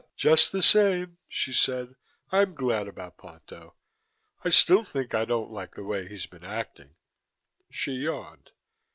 "Just the same," she said, "I'm glad about Ponto. I still think I don't like the way he's been acting." She yawned.